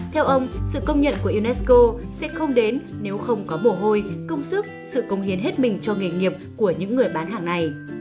theo ông sự công nhận của unesco sẽ không đến nếu không có mồ hôi công sức sự công hiến hết mình cho nghề nghiệp của những người bán hàng này